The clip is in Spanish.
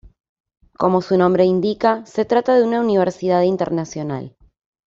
Como su nombre indica, se trata de una universidad internacional.